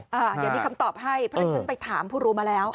อย่ามีคำตอบให้เพราะฉะนั้นไปถามผู้รู้มาแล้ว